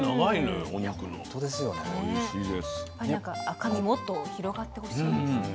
赤身もっと広がってほしいですね。